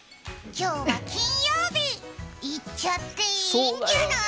今日は金曜日、行っちゃっていいんじゃない？